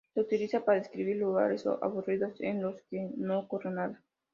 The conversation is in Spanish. Se utiliza para describir lugares aburridos en los que no ocurre nada.